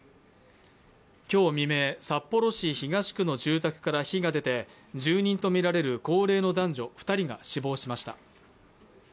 今日未明、札幌市東区の住宅から火が出て住人とみられる高齢の男女２人が死亡しました。